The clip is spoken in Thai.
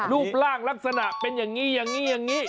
รูปร่างลักษณะเป็นอย่างนี้อย่างนี้อย่างนี้